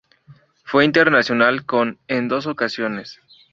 Fue internacional con en dos ocasiones.